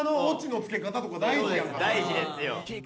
大事ですよ。